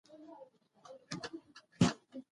زده کوونکي پرون پوښتنې کولې.